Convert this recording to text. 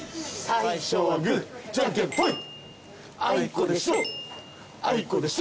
最初はグーじゃんけんぽい。